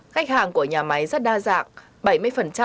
khách hàng của nhà máy rất đa dạng